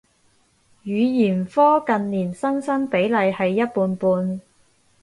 語言科近年新生比例係一半半